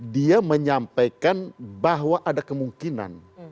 dia menyampaikan bahwa ada kemungkinan